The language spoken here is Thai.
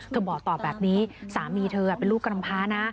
บอกตอบแบบนี้สามีเธอเป็นลูกกำพานะ